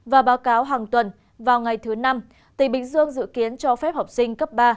và báo cáo hàng tuần vào ngày thứ năm tỉnh bình dương dự kiến cho phép học sinh cấp ba